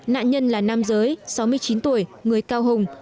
nạn nhân là nam giới sáu mươi chín tuổi người cao hùng